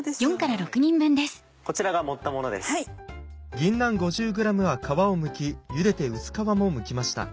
ぎんなん５０ｇは皮をむきゆでて薄皮もむきました。